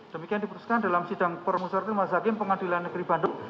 demikian diperusakan dalam sidang perusahaan kemasyarakat